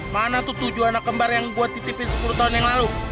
mana tuh tujuh anak kembar yang buat titipin sepuluh tahun yang lalu